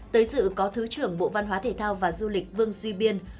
tới dự có thứ trưởng bộ văn hóa thể thao và du lịch vương duy biên